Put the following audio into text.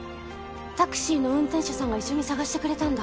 タクシーの運転手さんが一緒に探してくれたんだ。